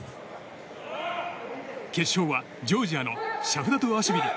決勝はジョージアのシャフダトゥアシビリ。